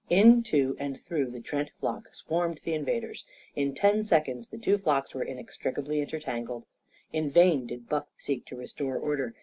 Into and through the Trent flock swarmed the invaders. In ten seconds the two flocks were inextricably intertangled. In vain did Buff seek to restore order.